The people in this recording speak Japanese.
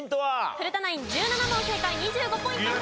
古田ナイン１７問正解２５ポイント獲得です。